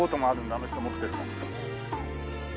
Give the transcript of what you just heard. あの人持ってる。